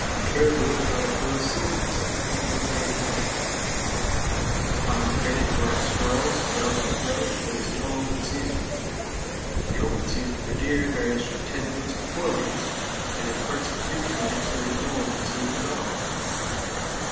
Caribou have had a close season since 1899. On gray and black squirrels, doves and quail, there is no open season. The open season for deer varies from ten weeks to four weeks, and in parts of three counties there is no open season at all.